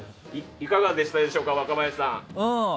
いかがでしたでしょうか若林さん。